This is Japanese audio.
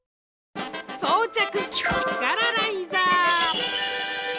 そうちゃくガラライザー。